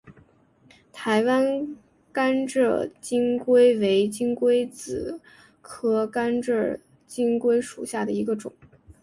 台湾甘蔗金龟为金龟子科甘蔗金龟属下的一个种。